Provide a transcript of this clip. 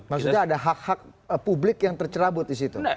maksudnya ada hak hak publik yang tercerabut di situ